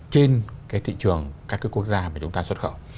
trên cái thị trường các cái quốc gia mà chúng ta xuất khẩu